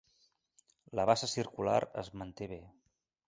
La bassa circular es manté bé.